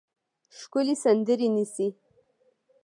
ښکلې سندرې نیسي